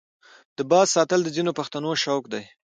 د باز ساتل د ځینو پښتنو شوق دی.